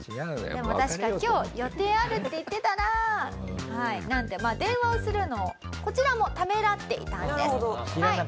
「でも確か今日予定あるって言ってたな」なんて電話をするのをこちらもためらっていたんです。